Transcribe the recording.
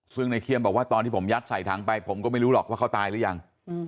ซึ่งในเคียมบอกว่าตอนที่ผมยัดใส่ถังไปผมก็ไม่รู้หรอกว่าเขาตายหรือยัง